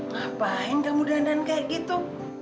ngapain kamu dandan kayak gitu